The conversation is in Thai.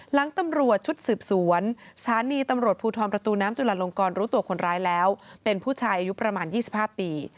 หลังตำรวจชุดสืบสวนสถานีตำรวจภูทรประตูน้ำจุลาลงกรรู้ตัวคนร้ายแล้วเป็นผู้ชายอายุประมาณ๒๕ปี